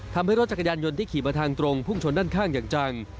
ทำให้รถจักรยานยนต์ที่ขี่มาทางตรงพุ่งชนด้านข้างอย่างจัง